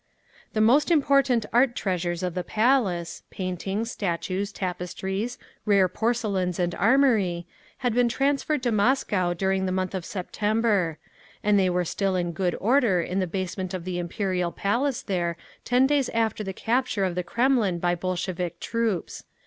The most important art treasures of the Palace—paintings, statues, tapestries, rare porcelains and armorie,—had been transferred to Moscow during the month of September; and they were still in good order in the basement of the Imperial Palace there ten days after the capture of the Kremlin by Bolshevik troops.